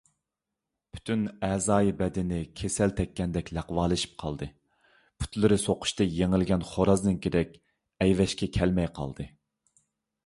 پۈتۈن ئەزايى - بەدىنى كېسەل تەگكەندەك لەقۋالىشىپ قالدى، پۇتلىرى سوقۇشتا يېڭىلگەن خورازنىڭكىدەك ئەيۋەشكە كەلمەي قالدى.